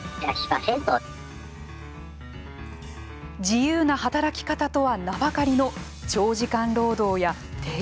自由な働き方とは名ばかりの長時間労働や低報酬。